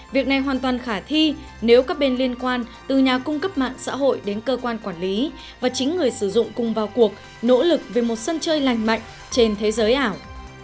việc này hoàn toàn khả thi nếu các bên liên quan từ nhà cung cấp mạng xã hội đến cơ quan quản lý và chính người sử dụng cùng vào cuộc nỗ lực về một sân chơi lành mạnh trên thế giới ảo